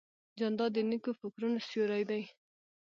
جانداد د نیکو فکرونو سیوری دی.